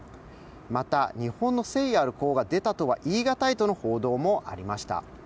また、日本の誠意ある呼応が出たとは言いがたいという報道もありました。